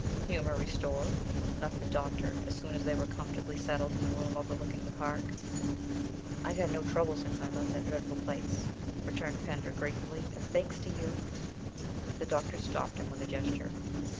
"Humour restored?" laughed the doctor, as soon as they were comfortably settled in the room overlooking the Park. "I've had no trouble since I left that dreadful place," returned Pender gratefully; "and thanks to you " The doctor stopped him with a gesture.